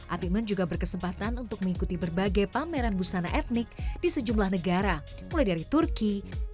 apikmen juga berkesempatan untuk mengikuti berbagai pameran busana etnik di sejumlah negara mulai dari turki